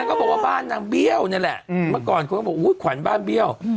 นั่นก็บอกว่าบ้านนางเบี้ยวนี่แหละมาก่อนคุณก็บอกว่าขวัญบ้านเบี้ยว